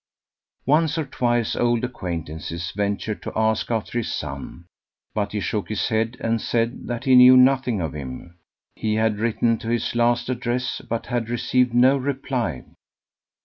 Once or twice old acquaintances ventured to ask after his son, but he shook his head, and said that he knew nothing of him; he had written to his last address, but had received no reply.